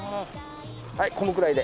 はいこのくらいで。